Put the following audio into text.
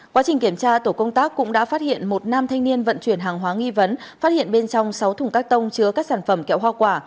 quá trình kiểm tra tổ công tác cũng đã phát hiện một nam thanh niên vận chuyển hàng hóa nghi vấn phát hiện bên trong sáu thùng các tông chứa các sản phẩm kẹo hoa quả